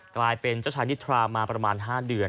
กลายเป็นเจ้าชายนิทรามาประมาณ๕เดือน